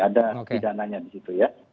ada pidananya di situ ya